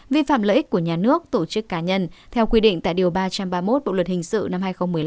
vi phạm lợi ích của nhà nước tổ chức cá nhân theo quy định tại điều ba trăm ba mươi một bộ luật hình sự năm hai nghìn một mươi năm